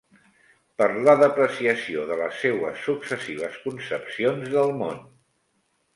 Per la depreciació de les seues successives concepcions del món.